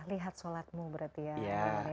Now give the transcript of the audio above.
lihat sholatmu berarti ya